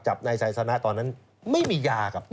จับนายสายสนะตอนนั้นไม่มียากับตัว